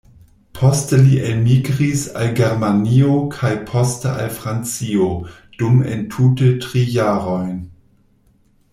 Poste li elmigris al Germanio kaj poste al Francio, dum entute tri jarojn.